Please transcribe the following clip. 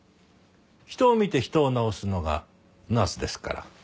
人を見て人を治すのがナースですから。